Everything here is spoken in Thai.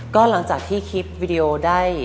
ก็หลังจากที่คลิปวิดีโอได้